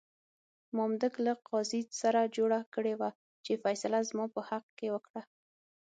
مامدک له قاضي سره جوړه کړې وه چې فیصله زما په حق کې وکړه.